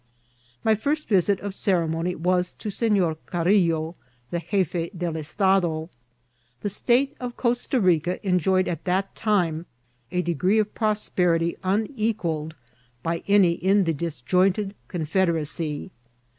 My first visit of ceremony was to Senkyr Carillo, the Oefe del Estado. The State of Costa Rica enjoy* ed at that time a degree of prosperity unequalled by any in the disjointed confederacy.